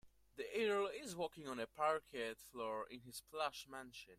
The earl is walking on the parquet floor in his plush mansion.